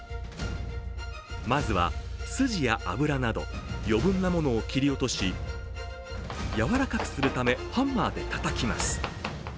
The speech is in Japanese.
まずはスジや脂など余分なものを切り落としやわらかくするためハンマーでたたきます。